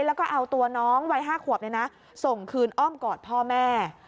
แล้วก็เอาตัวน้องวัย๕ขวบส่งคืนอ้อมกอดพ่อแม่